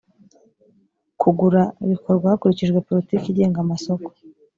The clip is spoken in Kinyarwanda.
kugura bikorwa hakurikijwe politiki igenga amasoko